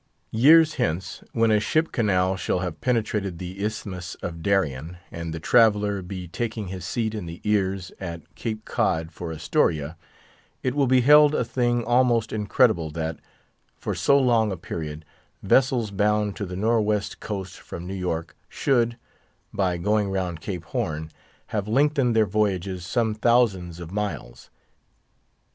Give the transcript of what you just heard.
Years hence, when a ship canal shall have penetrated the Isthmus of Darien, and the traveller be taking his seat in the ears at Cape Cod for Astoria, it will be held a thing almost incredible that, for so long a period, vessels bound to the Nor' west Coast from New York should, by going round Cape Horn, have lengthened their voyages some thousands of miles.